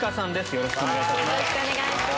よろしくお願いします。